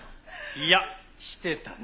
いやしてたね。